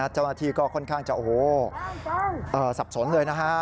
เจ้าหน้าที่ก็ค่อนข้างจะสับสนเลยนะฮะ